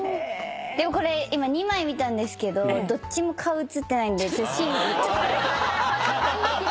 でもこれ今２枚見たんですけどどっちも顔写ってないんで審議。